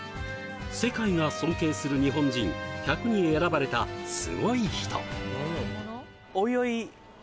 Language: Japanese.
「世界が尊敬する日本人１００」に選ばれたすごい人おいおい？